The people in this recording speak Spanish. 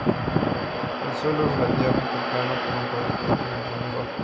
El suelo es relativamente plano, con un par de picos centrales bajos.